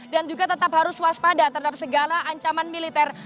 dan juga tetap harus waspada terhadap segala ancaman militer